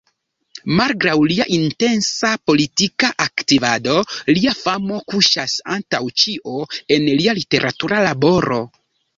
Malgraŭ lia intensa politika aktivado, lia famo kuŝas, antaŭ ĉio, en lia literatura laboro.